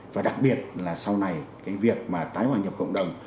và đặc biệt là sau này cái việc mà tái hòa nhập cộng đồng